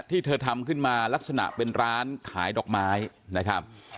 ที่เธอทำขึ้นมาลักษณะเป็นร้านขายดอกไม้นะครับ